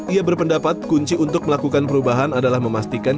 ia berpendapat kunci untuk melakukan perubahan adalah memastikan